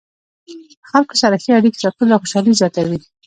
له خلکو سره ښې اړیکې ساتل خوشحالي زیاتوي.